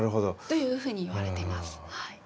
というふうにいわれています。